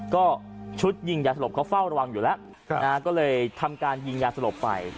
ก็ชุดยิงยาสลบเขาเฝ้าระวังอยู่แล้วก็เลยทำการยิงยาสลบไป